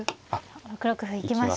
６六歩行きましたね。